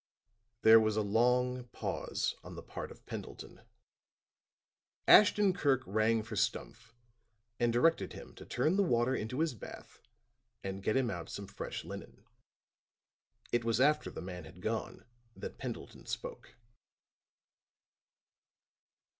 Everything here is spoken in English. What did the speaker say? There was a long pause on the part of Pendleton. Ashton Kirk rang for Stumph and directed him to turn the water into his bath, and get him out some fresh linen. It was after the man had gone that Pendleton spoke.